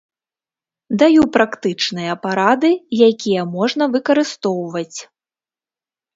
Даю практычныя парады, якія можна выкарыстоўваць.